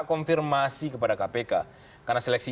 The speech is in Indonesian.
konfirmasi kepada kpk karena seleksi